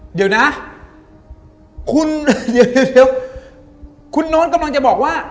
ฮะเดี๋ยวนะคุณน้อยกำลังจะบอกว่า